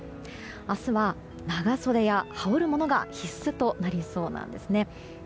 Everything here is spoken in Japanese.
明日は、長袖や羽織るものが必須となりそうです。